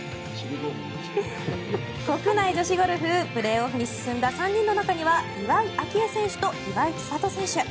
国内女子ゴルフプレーオフに進んだ３人の中には岩井明愛選手と岩井千怜選手。